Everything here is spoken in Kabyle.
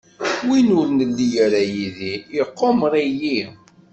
Win ur nelli ara yid-i iqumer-iyi.